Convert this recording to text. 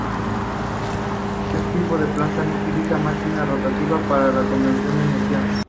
Este tipo de planta no utiliza máquinas rotativas para la conversión de energía.